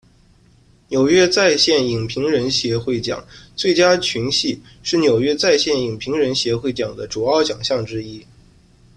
纽约在线影评人协会奖最佳群戏是纽约在线影评人协会奖的主要奖项之一。